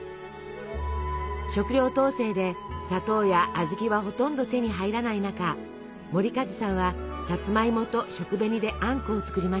食糧統制で砂糖や小豆はほとんど手に入らない中守一さんはサツマイモと食紅であんこを作りました。